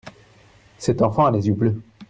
cet enfant a les yeux bleus.